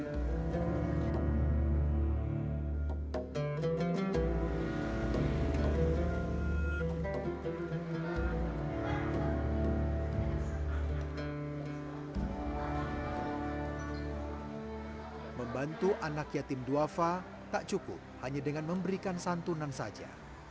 hai membantu anak yatim duafa tak cukup hanya dengan memberikan santunan saja